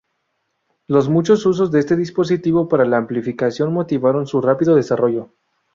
Los muchos usos de este dispositivo para la amplificación motivaron su rápido desarrollo.